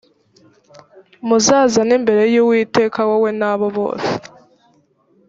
muzazane imbere y uwiteka wowe na bo bose